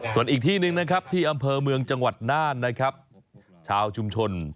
ส่วนอีกที่หนึ่งนะครับที่อำเภอเมืองจังหวัดน่านนะครับชาวชุมชน